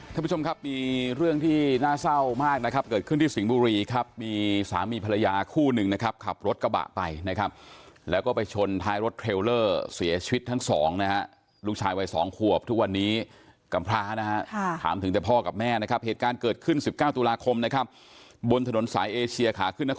ท่านผู้ชมครับมีเรื่องที่น่าเศร้ามากนะครับเกิดขึ้นที่สิงห์บุรีครับมีสามีภรรยาคู่หนึ่งนะครับขับรถกระบะไปนะครับแล้วก็ไปชนท้ายรถเทรลเลอร์เสียชีวิตทั้งสองนะฮะลูกชายวัยสองขวบทุกวันนี้กำพระนะฮะถามถึงแต่พ่อกับแม่นะครับเหตุการณ์เกิดขึ้น๑๙ตุลาคมนะครับบนถนนสายเอเชียขาขึ้นน